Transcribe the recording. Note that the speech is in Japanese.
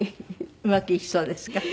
うまくいきそうですか？